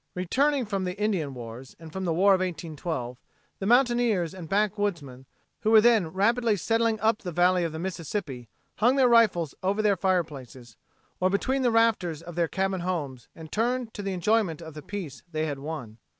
Returning from the Indian wars and from the War of 1812, the mountaineers and backwoodsmen, who were then rapidly settling up the valley of the Mississippi, hung their rifles over their open fireplaces, or between the rafters of their cabin homes and turned to the enjoyment of the peace they had won.